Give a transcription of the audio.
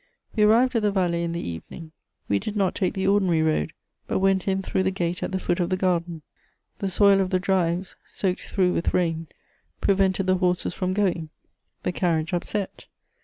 We arrived at the Vallée in the evening. We did not take the ordinary road, but went in through the gate at the foot of the garden. The soil of the drives, soaked through with rain, prevented the horses from going; the carriage upset.